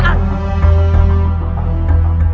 kalian berada di dalam kekuasaan